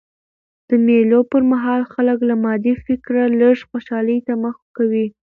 د مېلو پر مهال خلک له مادي فکره لږ خوشحالۍ ته مخه کوي.